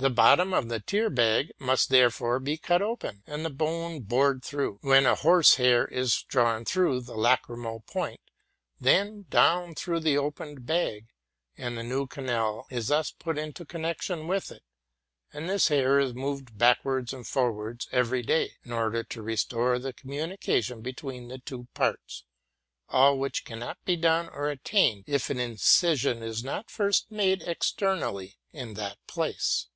The bottom of the tear bag must therefore be cut open, and the bone borea through, when a horsehair is drawn through the lachyrmal point, then down through the opened bag, and the new ca nal thus put into connection with it; and this hair is moved backwards and forwards every day, in order to restore the communication between the two parts, — all which cannot be RELATING TO MY LIFE. #5 done or attained, if an incision is not first made externally in that place.